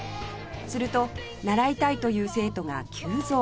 すると習いたいという生徒が急増